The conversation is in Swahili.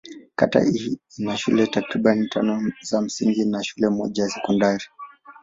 Kata hii ina shule takriban tano za msingi na shule moja ya sekondari.